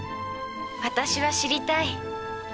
私は知りたい。